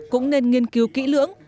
cũng nên nghiên cứu kỹ lưỡng